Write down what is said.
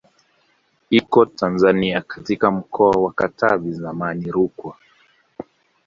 Iko Tanzania katika mkoa wa Katavi zamani Rukwa